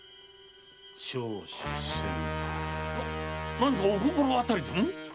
何かお心当たりでも？